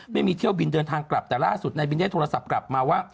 ไม่มีเที่ยวบินเดินทางกลับแต่ล่าสุดนายบินได้โทรศัพท์กลับมาว่า